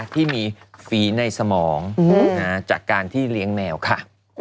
ที่มีฝีในสมองจากการที่เลี้ยงแมวค่ะ